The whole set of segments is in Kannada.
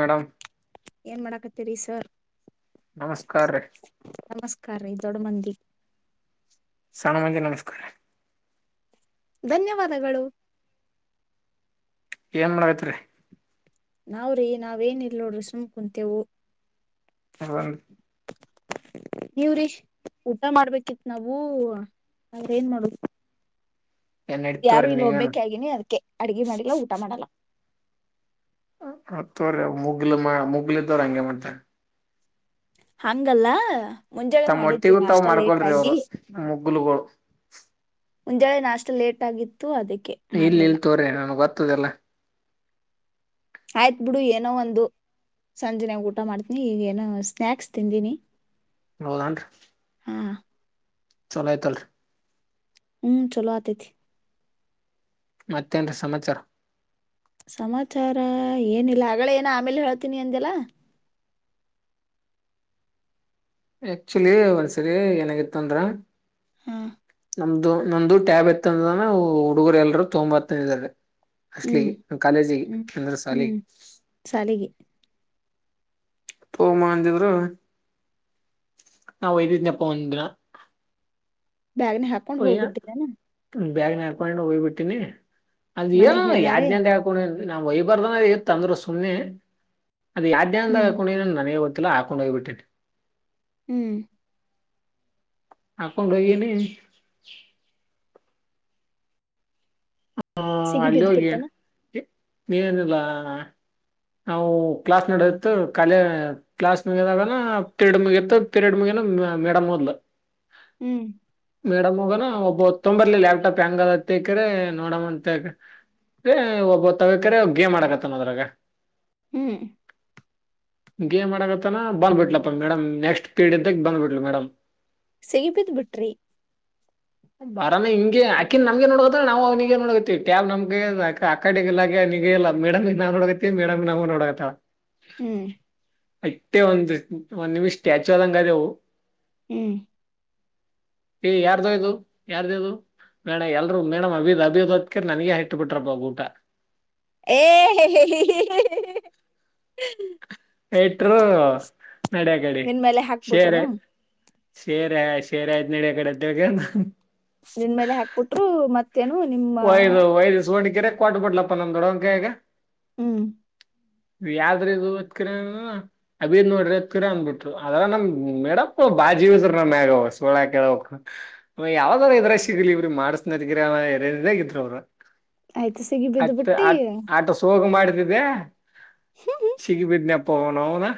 ಮೇಡಮ್ ಏನ್ ಮಾಡಾಕತ್ತರಿ ಸರ್ ನಮಸ್ಕಾರ ರೀ ನಮಸ್ಕಾರಿ ದೊಡ್ಡ ಮಂದಿ ಸಣ್ಣಮಂಜಿ ನಮಸ್ಕಾರ ಧನ್ಯವಾದಗಳು ಏನ್ ಮಾಡಕೈತ್ರಿ ನಾವ್ರೀ ನಾವೇನಿಲ್ಲೋಡ್ರರು ಸುಮ ಕುಂತೆವು ಹಂದು ಹ್ಮ ನೀವ್ರೀ ಊಟ ಮಾಡ್ಬೇಕಿತ್ ನಾವವು ಆದ್ರ ಏನ್ ಮಾಡುವ ಏನ್ ಯಾರು ನಡತವ್ರಿ ಇಲ್ಲಿ ನೀವೇನ್ ಒಬ್ಬಕ ಆಗಿನಿ ಅದ್ಕ್ಕೆ ಅಡ್ಗೆ ಮಾಡಿಲ್ಲ ಊಟ ಮಾಡಲ್ಲ ಮತ್ ಮುಗಲು ಮ ಮುಗಲ ಇದ್ದವ್ರ ಹಂಗೆ ಮಾಡತ ಹಂಗಲ್ಲ ಮುಂಜಳೆ ತಮ್ಮ್ ಮಾಡಿದ್ವಿ ಒಟ್ಟಿಗೂ ನ ತಾವ್ ಅಷ್ಟ ಲೇಟ್ ಮಾಡ್ಕೊಳ್ರಿ ಅವ್ರು ಆಗಿ ಮುಗ್ಲುಗಳು ಮುಂಜಾಳೆ ನಾಷ್ಟು ಲೇಟ್ ಆಗಿತ್ತು ಅದಕ್ಕೆ ಇಲ್ಲಿ ಮಾಡ್ಲಿಲ್ಲ ಇಲ್ ತೋರ್ರೆ ನನಗ್ ಗರ್ತದೆಲ್ಲ ಆಯ್ತ್ ಬಿಿಡು ಏನೋ ಒಂದು ಸಂಜೆ ನಾ ಊಟ ಮಾಡ್ತೀನಿ ಈಗ ಏನು ಸ್ನಾಯಕ್ಸ್ ತಿಂದೀಿನಿ ಹೌದನ್ೀ ಚಲಯತ ಹ್ಮ್ ಚಲೋ ಆತತಿ ಮತ್ತೆಂದ ಸಮಾಚಾರ ಸಮಾಚಾರ ಏನಿಲ್ಲ ಅಗಳೇ ಏನ ಆಮೇಲೆ ಹೇಳ್ತೀನಿ ಅಂದಲ್ಲ ಆಕ್ಚುಲಿ ಒಂದ್ಸರಿ ನನಗೆ ಇ ತೊಂದ್ರ ಹಾ ನ ನಮಂದುು ಟ್ಯಾಬ್ ಎತ್ತಂದನ ಹುಡುಗರು ಎಲ್ಲರುೂ ತೊಂಬತಂದ ಇದಾರೆ ಹ್ಮ್ ಅಸ್್ಲಿಿಗೆ ಕಾಲೇಜಿಗೆ ಹ್ಮ್ ಅಂದ್ರ ಶಾಲೆಗೆ ಹ್ಮ್ ಸಾಲಿಗಿ ತೋ ಮಾ ಅಂದಿದ್ರು ನಾ ಒೈ್ದಿದ್ದನ್ಪ್ಪ ಒಂದಿನ ಬ್ಯಾಗ್ನೆ ಹಾಕೊಂಡ್ ಹೋಗ್ಬಿಟ್ಟಿದ್ದಾನ ಬ್ಯ್ ನ ಹರ್ಕೊಂಡು ಹಯ್ಬ ಬಿಟ್ಟತಿನಿ ಅ್ ಏನು ಮನ್ಯಾಗ ಯಾರ್ ಹೇಳಾರೆ ಅಂತ ಹೇಳ್ಕೊಂಡ ನಾ್ ಹೊಯ್ಬರ್ದ ತಂದ್ರ ಸುಮ್ಮನೆ ಅದು ಯಾದ್ಯಂದ ಹ್ಮ್ ಹಾಕೊಂಡನ ನನಗೆ ಗೊತ್ತಿಲ್ಲ ಹಾಕೊಂಡು ಹೋಗ್ಬಿಟ್ಟನೆ ಹ್ಮ್ ಆಕೊಂಡ ರನ ಸಿಗಿ ಬಿಿದ್ದಿಪಟ್ಟಣ ನೀನುನುಲ್ಲ ನಾವು ಕ್ಲಾಸ್ ನಡದತ್ತು ಕಾಲ ಕ್ಲಾಸ್ ಮುಗಿದಾಗ ಪಿರಿಯಡ್ ಮುಗಿಯತತ್ತು ಪೀರಿಯಡ್ ಮುಗ ಮೇಡಮ್ ಮೊದ್ಲ ಹ್ಮ್ ಮೇಡಮ್ ಹೋಗನ ಒಬ್ಬ ಒತ್ತೊಂಬರ್ಲಿ ಲ್ಾಪ್ಟಾಪ್ ಹೆಂಗದತ್ತಕ್ರ ನೋಡಮ್ಮಂತ ಒಬ್ಬ ತವಕ್ರ ಗೇಮ ಆಕತ್ತನ್ೋದ್ರಾಗ ಹ್ಮ್ ೇ್ ಆಗತ್ತತನ ಬಂದ್ಬಟ್ಲಪ್ಪ ಮೇಡಮ್ ನೆಕ್ಸ್ಟ್ ಪೀರಡ್ ಇದ್ದ ಬಂದ್ಬಿಟ್ಲ ಮೇಡಮ್ ಸಿಹಿಪದು ಬಿಟಿ ಬರಾನ ಹಿಗೆ ಆಕಿನ್ ನಮ್ಗೆ ನೋಡಕದ್ರ ನಾ ಅವನಿಗೆ ನೋಡಕತಿವಿ ಟ್ಯಾಬ್ ನಮ್ಗೆ ಅಕಾಡೆಲ್ಲೆ ನಗ ಎಲ್ಲ ಮೇಡಮ್ ನಾ ನೋಡಗತ್ತತಿ ಮೇಡಮ್ ನಾವ ನೋಡಗತ ಹ್ಮ್ ಅತ್ತೆ ಒಂದು್ ಒಂದ್ ನಿಮ್ ಸ್ಟ್ಯಾಚು ಅದಂಗ ಅದೆವು ಹ್ಮ್ ಯಾರ್ದ ಇದು ಯಾರ್ದ ಅದು ಮೇಡ ಎಲ್ರುೂ ಮೇಡಮ್ ಅಭಿ ಅಭಿ ಹೊತ್ಕರ್ ನನಗ ಹಟ್ಟ ಬಿಟ್ರಪ್ಪ ಊಟ ಏ ಎಟರು ನಡೆಗಡಿ ನಿನ್ ಮೇಲೆ ಶೇರೆ ಹಾಕ್ಬಿಟ್ರನು ಶೇರ ಶೇರ್ ಆಯ್ತ್ ನಡಿಯ ಕಡೆ್ದವಗ ನಿನ್ ಮೇಲೆ ಹಾಕ್ಬಿಟ್ರು ಮತ್ತೆ ಒಯದ ವಯದ್ಯ ಸುವಣಿಕರೆ ಕೊಟ್ ಬಿಡ್ಲಪ್ಪಾ ನಮೊಡಕ ಹಗ ಹ್ಮ್ ಯಾದ್ರ ಇದು ಹತ್ಕರ ಅಬೀರ್ ನೋಡ್ರಿ ಹತ್ಕರ ಅಂದಬಿಟ್ರು ಅದ್ರ ನಮ ಮೇಡಪ್ಪ ಬಾಜಿಸ್ರ ನಮ್ಮ್ಯಾಗ ಸೋಳ ಕ ಯಾವದಾರ ಇದ್ರ ಸಿಗಲಿ ಇವ್ರೀ ಮಾಡ್ಸನಗಿ ಅವರು ಆಯ್ತು ಸಿಗಿ ಬಿದ್ದ್ ಬಿಟ್ಟಿ ಆಟೋಗ ಮಾಡ ದೆ ಹ್ಮ್ ಹ್ಮ್ ಸಿಗಿ ಬಿಿದ್ದನ ಪಣದಾ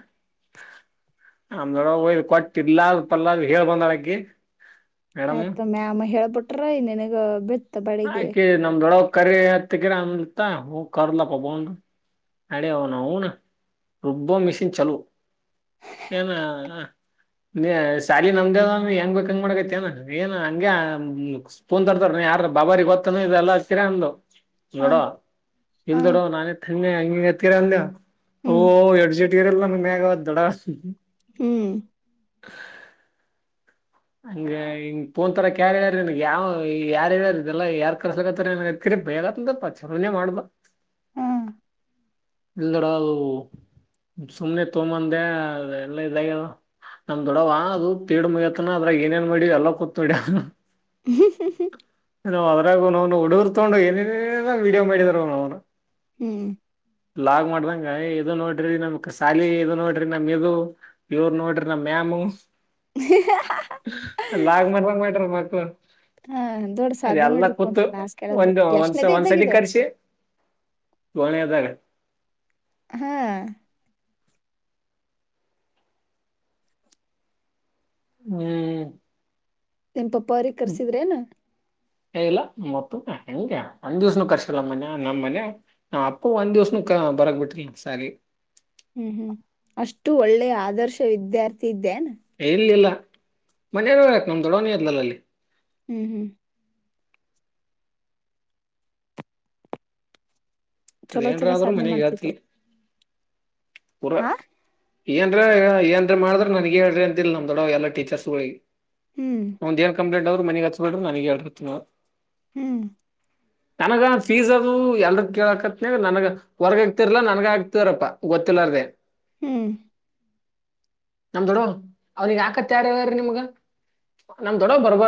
ಆಮಡ ಕೊಟ್ಟ ಇಲ್ಲ ಪಲ್ಲ ಹೇಳ್ ಬಂದಳಿ ಆಯ್ತು ಮ್ಯಾಮ ಹೇಳ್ಬಿಟ್ರ ನನ್ಗ ಬಿ ಆಕಿ ನಮ್ದೊಳಗ್ ಕರಿ ಹತ್ತಗಿರ ಅಂದತ್ತ ಹೋಗ ಕರ್ಲಪ್ಪ ಬನ್ ಅಡ ಅವನು ಊನು ರುಬ್ಬ ಮೆಿಸಿಿನ ಚಲೋ ಏನ ನೀ ಸಾಲ ನಮ್ದೇ ಹೆಂಗ್ ಬಕ್ ಹಂಗ ಮಾಡಕೈತಿೇನ ಏನ ಹಂಗಗೆ ಫೋನ್ ತರ್ತಾರ ಯಾರ ಬಾಬಾರ ಗೊತ್ತನ ಇಲ್ಲ ಹಕ್ಕೀರ ಅಂದು ಹ ನೋಡೋ ಇಲ್ ದೊಡ ಹ ನಾನೇತ್ೆ ಹಂಗ ಎತ್ತೀರ ಅಂದ ಓ ಹ್ಮ್ ಎರಜಿಟ್ಗಿರಲ್ಲ ನಂಗ ಮ್ಯಾಗ ದಡ ಹ್ಮ್ ಹಂಗ ಹಂಗ್ ಪೋನ್ ತರ ಕ್ಯಾರ ಯಾರ ನನ್ಗೆ ಯಾವ ಯಾರ ಯ್ಯಾರ ಇದೆಲ್ಲ ಯಾರ್ ಕರ್ಸಕತ್ತ ಬೇಗತ್ತಂದ ಪಚನೆೇ ಮಾಡ್ಬ ಹಾ ಇಲ್ಲಡಾ ಸುಮ್ನೆ ತೋಂಬಂದೆ ಎಲ್ಲ ಇದಾಗ ನಮ ದೊಡವಾ ಅದು ತೀಡ ಮಗ ಅದಾಗ ಏನೇನ್ ಮಾಡಿ ಎಲ್ಲ ಕೂತ್ಡಿ ನಾವು ಅದ್ರಾಗು ನ್ ಹೊಡರ್ ೊಂಡ ಏನ ವಡಿಯೋ ಮಾಡಿದಾರನು ಹ್ಮ್ ಲಾಗ್ ಮಾಡ್ದಂಗ ಇದು ನೋಡ್ರಿ ನಮ್ ಸಾಲಿ ಇದು ನೋಡ್ರಿ ನಮ ಇದು ಇವರು ನೋಡ್ರಿ ನಮ ಮ್ಯಾಮು ಲಾಗ ಮಾಡ್ಬಂಗ ಮಾಡಟ್ರ ಮತ್ತ ಹಾ ದೊಡ್ ಸಾಾದಧ್ಯನೆ ಮಾಡಿ್ರಿ ಪು ಅಂತ ಕೂತು ನಾಸ್ ಕೇಳದ್ ಬಿಟ್ಟ ಒಂದು ಎಷ್ಟನೇದ ಇದ್ದಾಗಿದದು ೋನಿ ಅದಾರೆ ಹಾ ಹ್ಮ್ ನಿ ಪಪ್ಪರಿ ಕರ್ಸಿದ್ರೇನ ಇಲ್ಲ ಮತ್ತ ಹೆಂಗೆ ಒಂದ್ ದಿವ್ಸನ ಕರ್ಸಿಲ್ಲ ಮನ್ಯ ನಮ್ಮ್ನೆ ಅಪ್ಪು ಒಂದ್ ದಿವ್ಸನ ಬರಕ್ ಬಿಟ್ರಿ ಸಾರಿ ಹ್ಮ್ ಹ್ಮ್ ಅಷ್ಟು ಒಳ್ಳೆ ಆದರ್ಶ ವಿದ್ಯಾರ್ಥಿ ಇದ್ದ ಇಲ್ಲಿ ಇಲ್ಲ ಮನೇನ್ ಹೇಳಕ್ ನಮ್ ದೊಡವಣಿ ಇರ್ಲಲ್ಲ ಅಲ್ಲಿ ಹ್ಮ್ ಹ್ಮ್ ಚಲೋ ಅದೇಏನ್ರ ಚಲೋ ಆದ್ರೂ ಸಾಧನೆ ಮನೆ ಜಾತಿ ಮಾಡ್ತಿತ್ತು ಪೂರಾ ಆ ಏನ್್ರ ಏನ್ ಮಾಡ್ರ ನನ್ಗ ಹೇಳ್ರಿ ಅಂತಿಲ್ ನಮ್ದ ದೊಡ ಎಲ್ಲ ಟೀರ್ಸ್ ಗಳಿಗೆ ಹ್ಮ್ ನಮ್ದ ಏನ್ ಕಂಪ್ಲೇಂಟ್ ಅವ್ರ ಮನೆಗ್ ಹತ್ ಬಿ್ರ ನನಗೆ ಹೇಳಿರ್ತವು ಹ್ಮ್ ನನಗ ಫೀಸ್ ಅದು ಎಲ್ರ ಕೇಳಕತ್ನ ನನ್ಗ ಹೊರ್ಗ ಆಗ್ತಿರ್ಲಾ ನನ್ಗ ಆಗ್ತಿಾರಪ್ಪಾ ಗೊತ್ತ ತನರ್ಿದೆ ಹ್ಮ್ ನಮ ದೊಡು ಅವ್ನಿಿಗೆ ಆಾಕತ್ತ ಯಾರಾರೀ ನಿಮ್ಗ ನಮ್ ದೊಡ ಬರ್ಬ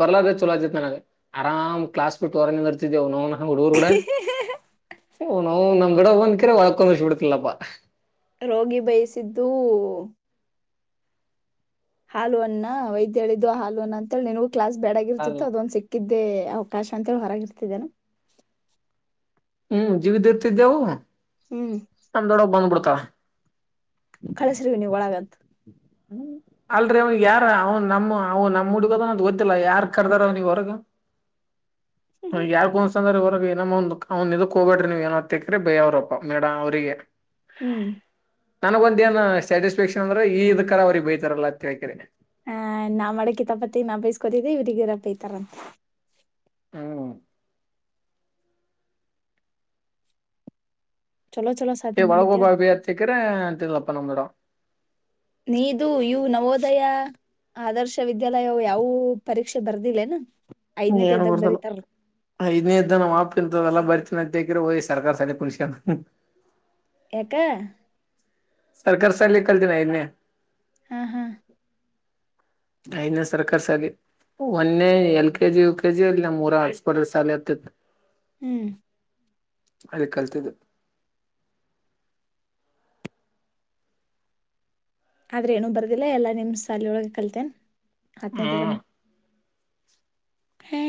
ಬರ್ಲಾರ್ರೆ ಚಲ ಆತಿತ್ ನನಗೆ ಆರಾಮ್ ಕ್ಲಾಸ್ ಬಿಟ್ಟು ಹೊರನ ಇರ್ತಿದೇವ ನ ಹುಡುಗರುಗೂಡ ನಾವು ನಮ್ ಗಡ ಒಂದ್ ಕರ ಒಳ್ಕೊಂಡ್ ಬಿಡ್ತಿಲ್ಲಪ್ಪಾ ರೋಗಿ ಬಯಸಿದ್ದೂ ಹಾಲು ಅಣ ವೈದ್ಯ ಹೇಳಿದ್ದು ಹಾೂಣ ಅಂತೇಳಿ ನಿನ್ೂ ಕ್ಲಾಸ್ ಬೇಡಾಗಿರ್ತಿತ್ತು ಬಿಡ್ತಿಲ್ಲಪ್ಪಾ ಅದೊಂದ್ ಸಿಕ್ಕಿದ ಅದೇ ಅವಕಾಶ ಅಂತೇಳಿ ಹೊರಗ ಇರ್ತಿದ್ದೇನು ಹ್ಮ್ ಜೀವಿದ ಇರ್ತಿದ್ದೆವು ಹ್ಮ್ ನಮ ದೊಡಗ್ ಬಂದ್ಬಿಡ್ತ ಕಳಸಿಗ ನೀವು ಒಳಗ ಹ್ಮ್ ಅಲ್ರಿೀ ಅವ್ನಿಗೆ ಯಾರ ಅವನ್ ನಮ್ಮ ಅವ ನಮ್ ಹುಡುಗದ ನ ಗೊತ್ತಿಲ್ಲ ಯಾರ್ ಕರ್ದಾರ ಅವನಗ್ ಹೊರಗ ಹೌ ಯಾರು ಕೌನ್ಸ ಅಂದ್ರೆ ಹೊರಗ ಏನಮ್ಮ ಒಂದ ಅವ್ ಇದಕ್ ಹೋಗಬೇ್ರ ನೀ್ ಏನೋ ತಕ್ರಿ ಬೇ ಅವ್ರಪ್ಪ ಮೇಡ ಅವ್ರರಿಗೆ ಹ್ಮ್ ನನಗ ಒಂದ ಏನ್ ಸ್ಯಾಟಿಸ್ಫ್ಯಾಕ್ಷನ್ ಅಂದ್ರೆ ಈ ಇದ್ ಕರ ಅವ್ರಗ್ ಬೈತಾರಲ್ಲ ಕೇಳ್ಕ ಹ ನಾ ಮಾಡಕ್ತಪತಿ ನಾ ಬೈಸ್ಕೋತಿದ್ದ ಇವ್ರಗ್ ಇರಪ್ಪೈತಾರಂತ ಹ್ಮ್ ಚಲೋ ಚಲೋ ಏ ಸಾಧನೆ ಮಾಡಿದ್ದೆ ಒಳಗೋಪಾಪ ಯ ಚಕ್ಕ್ರ ತಿಲಪ್ಪನ ಒಂದುಡ ನೀದುೂ ಇವು ನವೋದಯ ಆದರ್ಶ ವಿದ್ಯಾಲಯ ಯಾವ ಪರೀಕ್ಷೆ ಬರ್ದಿಲ್ಲೇನಾ ಏನ ಬರ್ತಲ್ಲ ಐದನೇ ಇದದ್ದ ನ್ ಆಪಿ ಲ್ಲ ಬರ್ತೀವಿ ಅಂತಕ್ರ ಓದಿ ಸರ್ಕಾರ ಸ ಮನುಷ್ಯ ಎ ಸರ್ಕಾರಿ ಸಾಲ ಕಲ್ಜನ ಇನ್ನೆ ಹಾ ಹಾ ನ ಸರ್ಕಾರ ಸಧ್ಯ ಒಂದೆ ಎಲ್ ಕೆಜಿ ಯು ಕೆಜಿ ಅಲ್ಲಿ ಮೂರ ಹಸ್ಪರ್ ಸಾಲ ಆತಿತ್ತು ಹ್ಮ್ ಅಲ್ಲಿ ಕಲ್ತಿದ್ದು ಆದ್ರೆ ಏನೂ ಬರ್ದಿಲ್ಲ ಎಲ್ಲಾ ನಿಮ್ ಸಾಲೊಳಗೆ ಕಲ್ತೇನ್ ಹತ್ನೇದು ತನ ಹ್ಮ್ ಹೇ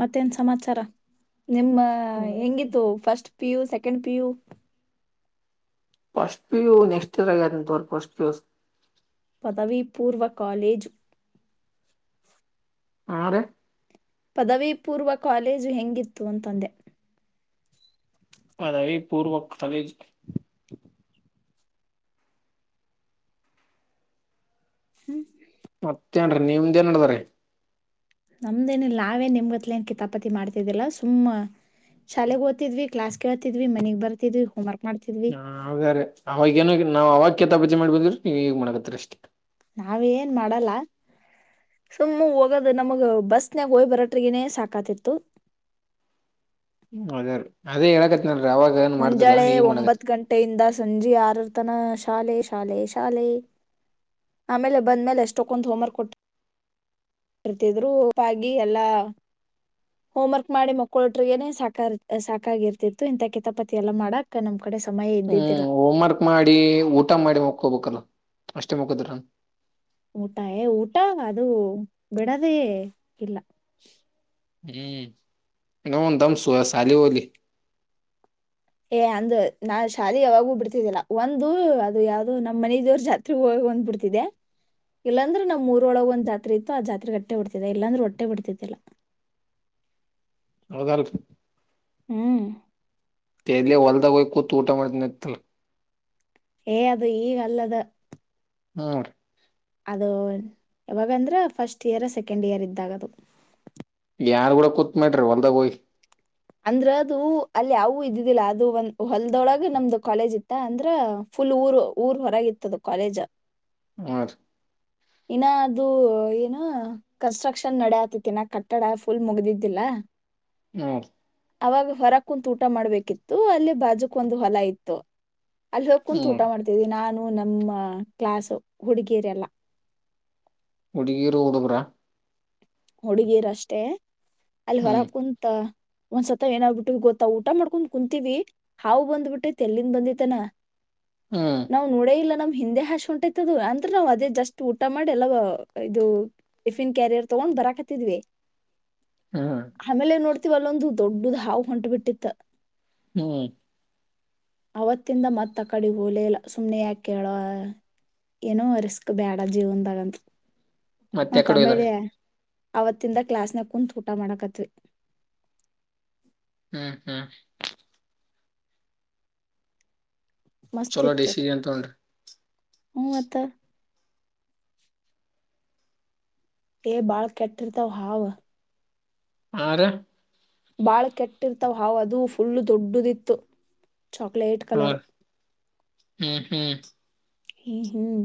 ಮತ್ತೇನ್ ಸಮಾಚಾರ ನಿಮ್ಮ ಹೆಂಗಿತ್ತು first PU second PU first PU next ಇರ್ ಆಗ್ಯಂತರ್ ಫಸ್ಟ್ ಕ್ಯೂಸ್ ಪದವಿೀ ಪೂರ್ವ ಕಾಲೇಜು ಹದ ಪದವಿ ಪೂರ್ವ ಕಾಲೇಜು ಹೆಂಗಿತ್ತು ಅಂತಂದೆ ಅದಾವ ಪೂರ್ವ ಕಾಲಜ ಹ್ಮ್ ಮತ್ತೇಏನ್ರೀ ನೀಮ್ದ ಏನ್ಡ್ದ್ರೀ ನಮ್ದೇನಿಲ್ಲ ನಾವೇ ನಿಮ್ಗತ್ಲನ್ ಕಿ ತಪಾತಿ ಮಾಡ್ತಿದ್ದಿಲ್ಲ ಸುಮ್ಮ ಶಾಲೆಗೆ ಓದ್ಿದ್ವಿ ಕ್ಲಾಸ್ ಕ ಹತಿದ್ವಿ ಮನೆಗ್ ಬರ್ತಿದ್ವಿ ಹೋಮರ್ಕ್ ಹ ಹೌದ್ರಾರೆ ಅವಾಗೇಏನ ನಾವ್ ಅವಾಗ ಕೆತಾಪಜೆ ಮಾಡಿ ಬಂದ್ರೆ ನೀವ್ ಹೇಗ್ ಮಾಡಕತ್ತರಿ ಅಷ್ಟೇ ನಾವ ಏನ್ ಮಾಡಲ್ಲ ಸುಮ್ಮ್ ಹೋಗದು ನಮಗ ಬಸ್ನ್ಯಾಗ ಹೋಯ್ ಬರಟ್ರಗನೇ ಸಾಕಾತಿತ್ತು ಹ್ಮ ಅದೇ ರೀ ಅದೇ ಹೇಳಕ ಮುಂಜಾಳೆ ಒಂಬತ್ ಗಂಟೆಯಿಂದ ಸಂಜೆ ಆರರ ತನ ಶಾಲೆ ಶಾಲೆ ಶಾಲೆ ಆಮೇಲೆ ಬಂದ್ಮೇಲೆ ಎಷ್ಟಕ್ಕೊಂದು್ ಹೋಮ್ರ್ಕ್ ಕೊಟ್ಟ ಬರ್ತಿದ್ರುಪಾಗಿ ಎಲ್ಲಾ ಹೋಮ್ ವರ್ಕ್ ಮಾಡಿ ಮಕ್ಕಳೊಟ್ರಗನೆ ಸಾಕ ಸಾಕಾಗಿರ್ತಿತ್ತು ಇಂಂತ ಕಿತಪಾತಿ ಎಲ್ಲ ಮಾಡಕ್ ನಮ ಹ್ಮ್ ಹೋಮ್ ವರ್ಕ್ ಮಾಡಿ ಊಟ ಮಾಡಿ ಮಕ್ಕೋಬೇಕಲ್ ಅಷ್ಟೇ ಮಕ್ಕದ್ರ ಊಟ ಏ ಊಟ ಅದು ಬಿಡದೇ ಇಲ್ಲ ಹ್ಮ್ ನ ದಮ ಸಯಸಾಲಿ ಒಲಿ ಏ ಅಂದ ನಾ ಶಾಲೆಗೆ ಯಾವಾಗೂ ಬಿಡ್ತಿದ್ದಿಲ್ಲ ಒಂದು ಅದು ಯಾವ್ದೋ ನಮ್ಮ್ ಮನದವ್ರ ಜಾತ್ರೆ ಹ ತಗೊಂದ್ಬಿಡ್ತಿದೆ ಇಲ್ಲಾಂದ್ರೆ ನಮ್ ಮೂರೊಳಗ ಒ್ ಜಾತ್ರೆ ಇತ್ತು ಆ ಜಾತ್ರೆಗೆ ಅಟ್ಟೆ ಹೊಡ್ತಿದೆ ಇಲ್ಲಾಂದ್ರೆ ಹೊಟ್ಟೆ ಬಿಡ್ತಿದ್ದಾ ಹಳಗಾರ್ ಹ್ಮ್ ಎಲ್ಲಿ ಹೊಲ್ದಾಗ ಹೋಗಿ ಕೂತ ಊಟ ಮಾಡ್ತನಿತ್ತ ಏ ಅದು ಈಗಲ್ಲದ ಹ್ಮ್ರೀ ಅದು ಯಾವಾಗಂದ್ರೆ ಫಸ್ಟ್ ಇಯರ್ ಸೆಕೆಂಡ್ ಇಯರ್ ಇದ್ದಾಗ ಅದು ಯಾರು ಕೂಡ ಕೂತ್ ಮಾಡ್ರಿ ಹೊಲ್ದಾಗ ಹೋಯಿ ಅಂದ್ರ ಅದು ಅಲ್ಲಿ ಯೂ ಇದ್ದಿದ್ದಿಲ್ಲಾ ಅದು ಒಂದ್ ಹೊಲ್ದೊಳಗೆ ನಮ್ದು ಕಾಲೇಜ್ ಇತ್ತ ಅಂದ್ರ ಫುಲ್ ಊರು ಊರ್ ಹೊರಗ ಇತ್ತದು ಕಾಲೇಜ ಹ ಇನ್ನ ಅದು ಏನು ಕನ್ಸ್ಟ್ರಕ್ಷನ್ ನಡ ಆತತಿಿನ ಕಟ್ಟಡ ಫುಲ್ ಮುಗ್ದಿದ್ದಿಲ್ಲ ಹ್ಮ ಅವಾಗ ಹೊರ ಕುಂತತ್ ಊಟ ಮಾಡ್ಬೇಕಿತ್ತು ಅಲ್ಲಿ ಬಾಜುಕ್ ಒಂದು ಹೊಲ ಇತ್ತು ಅಲ್ಲಿ ಹೋಗ ಕುಂತು ಹ್ಮ್ ಊಟ ಮಾಡ್ತಿದ್ವಿ ನಾನು ನಮ್ಮ ಕ್ಲಾಸ್ ಹುಡುಗಿಯರೆ ಎಲ್ಲ ಹುಡಗೀರು ಹುಡುಗರ ಹುಡುಗೀರಷ್ಟೇ ಅಲ್ಲಿ ಹೊರ ಹ್ಮ್ ಕುಂತ. ಒಂದ್ಸತ ಏನಾಗ್ಬಿಟ್ಟು ಗೊತ್ತ ಊಟ ಮಾಡ್ಕೊಂಡ್ ಕುಂತೀವಿ ಹಾವು ಬಂದ್ಬಿಟ್ಟೆ ತಲ್ಲಿಂದ ಬಂದಿತನ. ಹ್ಮ್ ನಾವ್ ನೋಡೇ ಇಲ್ಲ ನಮ್ ಹಿಂದೆ ಹಾಶ ಉಂಟೈತದ ಅಂದ್ರೆ ನಾವು ಅದೇ ಜಸ್ಟ್ ಊಟ ಮಾಡಿ ಎಲ್ಲ ಇದು ಟಿಫಿನ್ ಕ್ಯಾರಿಯರ್. ತಗೊಂಡ್ ಬರಕತ್ತಿದ್ವಿ ಹ್ಮ್ ಆಮೇಲೆ ನೋಡ್, ವಲ್ಲೊಂದು ದೊಡ್ಡದು ಹಾವು ಹೊಂಟ ಬಿಟ್ಟಿತ್ತ. ಹ್ಮ್ ಅವತ್ತಿಂದ ಮತ್ತ ಕಡೆ ಹಓಲೇಲ್ಲ ಸುಮ್ನೆ ಯಾ ಕೇಳ. ಏನೋ ರಿಸ್ಕ್ ಬೇಡ ಜೀವನ್ದಾಗಂತ ಮತ್ತೆ ಎಕಡೆ ಹೋಗಿದಾರೆ ತಮಳಿ ಅವತ್ತಿಂದ ಕ್ಲಾಸ್ನ ಕುೂಂತ್ ಊಟ ಮಾಡಕತ್ವಿ. ಹ್ಮ್- ಹ್ಮ್ ಚಲೋ ಡಿಸಿಜನ್ ತುಂಡ್ರ ಹ್ಮ್ಂ -ಹತ್ತ ಎ -ಬಾಲ ಕಟ ತ ಹಾವಾ. ಆರೇ ಬಾಳ ಕೆಟ್ಟಿರ್ತವ್ ಹಾವ ಅದುೂ ಫುಲ್ಲು ದೊಡ್ಡದಿತ್ತು. ಹ್ಮ- ಹ್ಮ್ಂ -ಹ್ಮ್ಂ ಹ್ಮ್- ಹ್ಮ್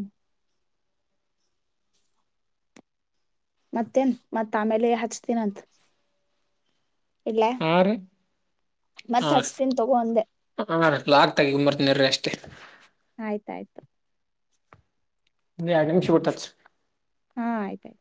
ಮತ್ತೇನ್ ಮತ್ ಆಮೇಲೆ ಹಚ್ತೀನಂತ. ಇಲ್ಲ ಆರ್ ಮತ್ತ ಹಚ್ತನ್ ತಗೋಂದೆ. ಲಾಕ್ತಗ ಇಂಬತ್ತನ ಅಷ್ಟೇ. ಆಯ್ತಾಯ್ತು ನೀ ಆಗಮ ಶಬಡ್ತ [unintelligible] ಹಾ -ಆಯ್ತಾಯ್ತು.